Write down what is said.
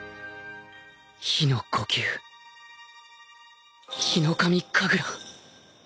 日の呼吸ヒノカミ神楽